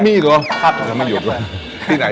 นี่หรอแต่ยังไม่หยุดแล้ว